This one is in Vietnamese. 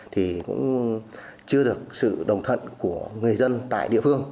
thì cũng chưa được sự đồng thận của người dân tại địa phương